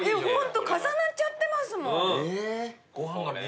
ホント重なっちゃってますもん。